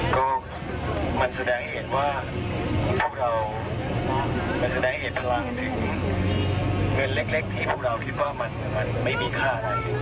ก็มันแสดงเหตุพลังถึงเงินเล็กที่พวกเราคิดว่ามันไม่มีค่าอะไร